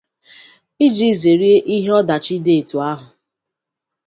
iji zèére ihe ọdachi dị etu ahụ.